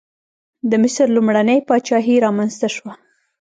د مصر لومړنۍ پاچاهي رامنځته شوه.